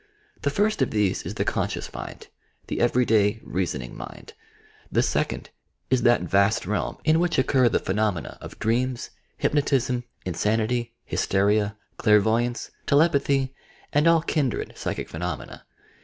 The first of these is the con scious mind, — the every day, reasoning mind ; the second is that vast realm in which occur the phenomena of 32 YOUR PSYCHIC POWERS dreams, hypDOtism, insanity, hysteria, clairvoyance, telepathy and all kindred psychic phenomena.